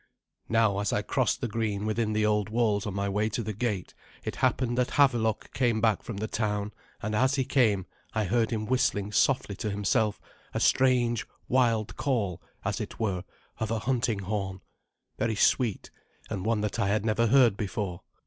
Now, as I crossed the green within the old walls on my way to the gate, it happened that Havelok came back from the town, and as he came I heard him whistling softly to himself a strange wild call, as it were, of a hunting horn, very sweet, and one that I had never heard before.